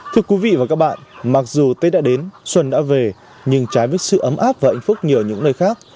thưa quý vị và các bạn mặc dù tết đã đến xuân đã về nhưng trái với sự ấm áp và hạnh phúc như ở những nơi khác